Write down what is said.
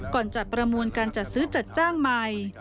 จัดประมวลการจัดซื้อจัดจ้างใหม่